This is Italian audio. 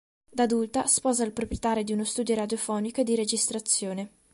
Da adulta, sposa il proprietario di uno studio radiofonico e di registrazione.